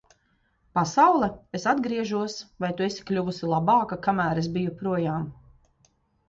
Pasaule, es atgriežos. Vai tu esi kļuvusi labāka, kamēr es biju projām?